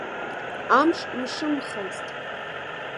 Амш мшымхазт.